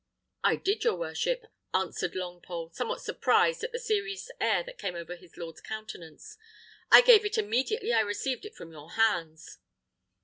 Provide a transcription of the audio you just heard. "I did, your worship," answered Longpole, somewhat surprised at the serious air that came over his lord's countenance: "I gave it immediately I received it from your hands."